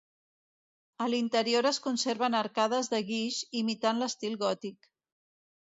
A l'interior es conserven arcades de guix, imitant l'estil gòtic.